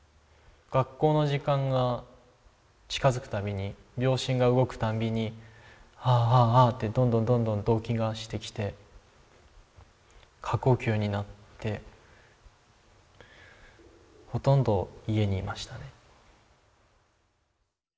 学校の時間が近づくたびに秒針が動くたんびにハアハアハアってどんどんどんどん動悸がしてきて過呼吸になってほとんど家にいましたね。